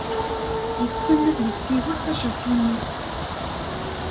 Yessen ad yessiwel tajapunit.